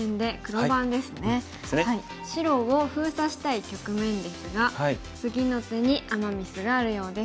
白を封鎖したい局面ですが次の手にアマ・ミスがあるようです。